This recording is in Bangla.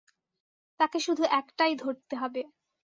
তাকে শুধু একটাই ধরতে হবে।